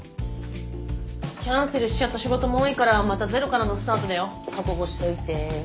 キャンセルしちゃった仕事も多いからまたゼロからのスタートだよ覚悟しといて。